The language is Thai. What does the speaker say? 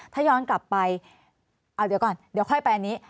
ถ้าย้อนกลับไปเอาเดี๋ยวก่อนเดี๋ยวค่อยไปอันนี้